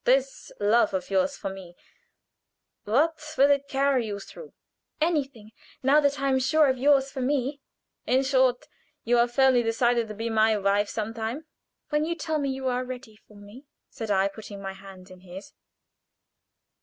This love of yours for me what will it carry you through?" "Anything, now that I am sure of yours for me." "In short, you are firmly decided to be my wife some time?" "When you tell me you are ready for me," said I, putting my hand in his.